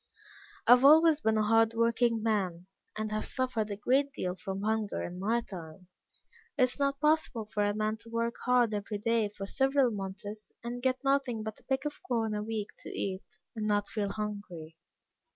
"I have always been a hard working man, and have suffered a great deal from hunger in my time. It is not possible for a man to work hard every day for several months, and get nothing but a peck of corn a week to eat, and not feel hungry.